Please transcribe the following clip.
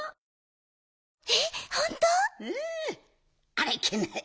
あらいけない。